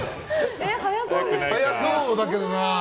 速そうだけどな。